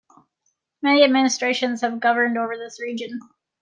Many administrations have governed over this region.